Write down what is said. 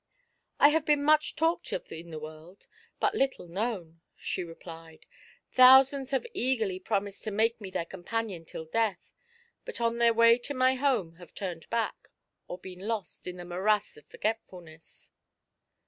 " I have been much talked of in the world, but little known," she replied. " Thousands have eagerly promised to make me their companion till death, but on their way to my home have turned back, or been lost in the morass of Forgetfulness."